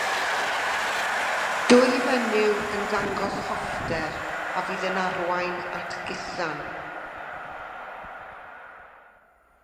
Dwy fenyw yn dangos hoffter a fydd yn arwain at gusan.